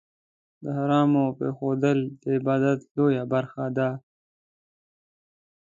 د حرامو پرېښودل، د عبادت لویه برخه ده.